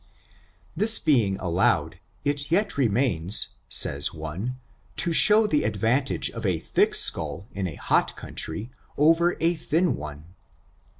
This being allowed, it yet remains, says one, to show the advantage of a thick skull in a hot coun try over a thin one.